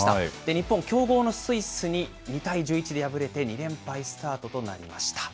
日本、強豪のスイスに２対１１で敗れて、２連敗スタートとなりました。